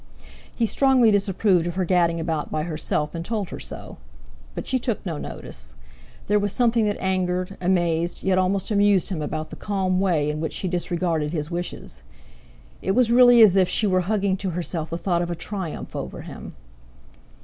He strongly disapproved of her gadding about by herself, and told her so. But she took no notice. There was something that angered, amazed, yet almost amused him about the calm way in which she disregarded his wishes. It was really as if she were hugging to herself the thought of a triumph over him.